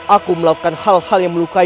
aku melakukan hal hal yang melukai